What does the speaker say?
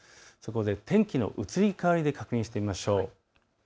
そこで天気の移り変わりで確認してみましょう。